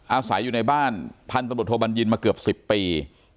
อาศัยอยู่ในบ้านพันธบทโทบันยินมาเกือบ๑๐ปี